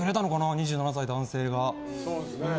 ２７歳男性が。